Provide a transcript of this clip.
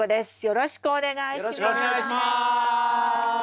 よろしくお願いします！